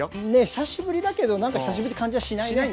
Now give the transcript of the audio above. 久しぶりだけどなんか久しぶりって感じはしないね。